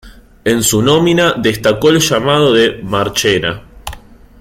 En su nómina destacó el llamado de Marchena.